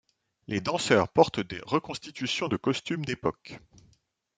Les danseurs portent des reconstitutions de costumes d’époque.